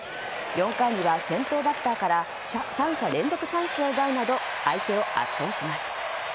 ４回には先頭バッターから３者連続三振を奪うなど相手を圧倒します。